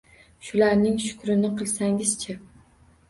Shularning shukrini qilsangiz-chi.